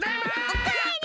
おかえり。